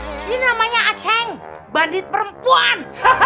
ini namanya a ceng bandit perempuan